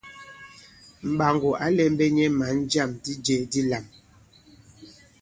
Mɓàŋgò ǎ lɛ̄mbɛ̄ nyɛ̄ mǎn jâm di jɛ̄ dilām.